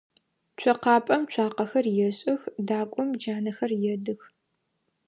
Цокъапӏэм цуакъэхэр ешӏых, дакӏом джанэхэр едых.